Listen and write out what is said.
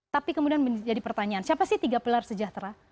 tapi kemudian menjadi pertanyaan siapa sih tiga pilar sejahtera